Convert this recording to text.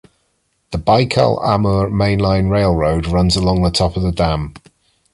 The Baikal Amur Mainline railroad runs along the top of the dam.